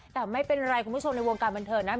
แต่ไม่เป็นไรคุณผู้ชมในวงการบันเทิงนะ